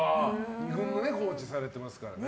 ２軍のコーチされてますからね。